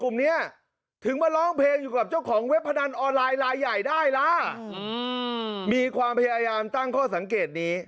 มีความพยายามตั้งข้อสังเกตนี้